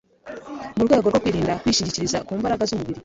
mu rwego rwo kwirinda kwishingikiriza ku mbaraga z'umubiri